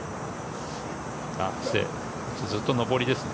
ずっと上りですね。